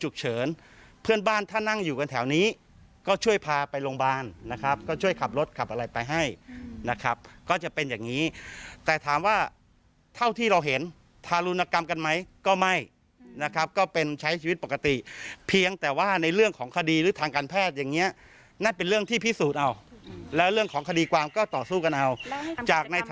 เพื่อนบ้านถ้านั่งอยู่กันแถวนี้ก็ช่วยพาไปโรงพยาบาลนะครับก็ช่วยขับรถขับอะไรไปให้นะครับก็จะเป็นอย่างนี้แต่ถามว่าเท่าที่เราเห็นทารุณกรรมกันไหมก็ไม่นะครับก็เป็นใช้ชีวิตปกติเพียงแต่ว่าในเรื่องของคดีหรือทางการแพทย์อย่างเงี้ยนั่นเป็นเรื่องที่พิสูจน์เอาแล้วเรื่องของคดีความก็ต่อสู้กันเอาจากในท